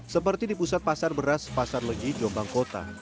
seperti di pusat pasar beras pasar legi jombang kota